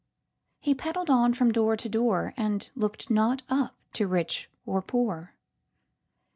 He peddled on from door to door, And look'd not up to rich or poor.